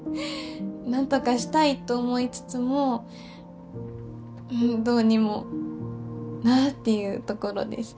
なんとかしたいと思いつつもうんどうにもなあっていうところです